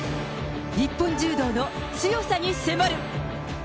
日本柔道の強さに迫る！